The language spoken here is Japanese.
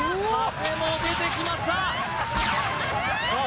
風も出てきましたさあ